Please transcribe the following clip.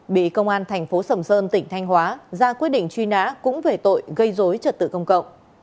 bị công an thành phố sầm sơn tỉnh thanh hóa ra quyết định truy nã cũng về tội gây dối trật tự công cộng